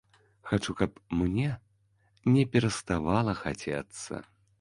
Хачу, каб мне не пераставала хацецца.